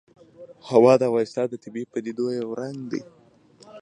هوا د افغانستان د طبیعي پدیدو یو رنګ دی.